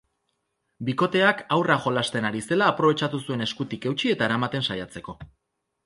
Bikoteak haurra jolasten ari zela aprobetxatu zuen eskutik eutsi eta eramaten saiatzeko.